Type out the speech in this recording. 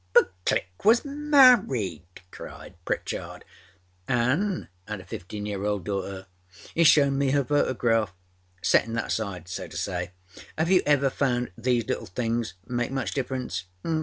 â âBut Click was married,â cried Pritchard. âAnâ âad a fifteen year old daughter. âEâs shown me her photograph. Settinâ that aside, so to say, âave you ever found these little things make much difference?